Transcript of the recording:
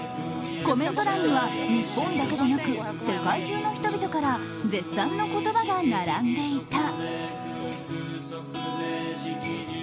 コメント欄には日本だけでなく世界中の人々から絶賛の言葉が並んでいた。